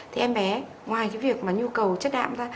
thì em bé ngoài cái việc mà nhu cầu chất đạm ra